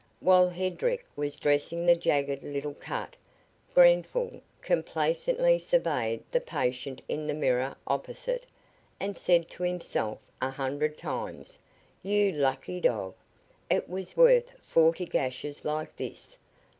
While Hedrick was dressing the jagged little cut, Grenfall complacently surveyed the patient in the mirror opposite, and said to himself a hundred times: "You lucky dog! It was worth forty gashes like this.